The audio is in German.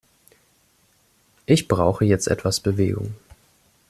Ich brauche jetzt etwas Bewegung.